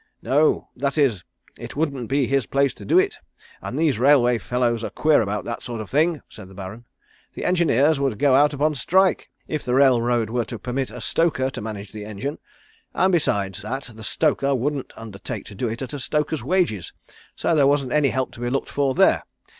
"No. That is, it wouldn't be his place to do it, and these railway fellows are queer about that sort of thing," said the Baron. "The engineers would go out upon a strike if the railroad were to permit a stoker to manage the engine, and besides that the stoker wouldn't undertake to do it at a stoker's wages, so there wasn't any help to be looked for there.